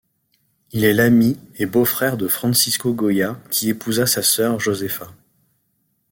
Il est l'ami et beau-frère de Francisco Goya qui épousa sa sœur Josefa.